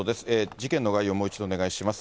事件の概要をもう一度、お願いします。